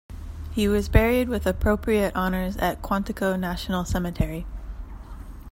He was buried with appropriate honors at Quantico National Cemetery.